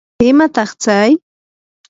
¿imataq tsay?